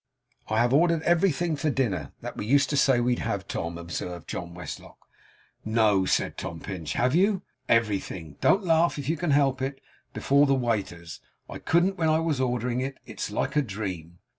'I have ordered everything for dinner, that we used to say we'd have, Tom,' observed John Westlock. 'No!' said Tom Pinch. 'Have you?' 'Everything. Don't laugh, if you can help it, before the waiters. I couldn't when I was ordering it. It's like a dream.